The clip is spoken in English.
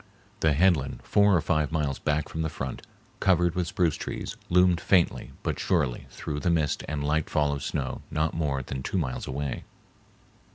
The head land four or five miles back from the front, covered with spruce trees, loomed faintly but surely through the mist and light fall of snow not more than two miles away.